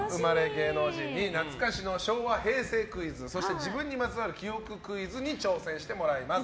芸能人に懐かしの昭和・平成クイズそして、自分にまつわる記憶クイズに挑戦してもらいます。